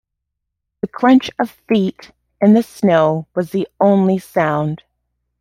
The crunch of feet in the snow was the only sound.